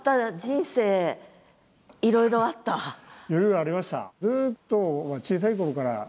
いろいろありました。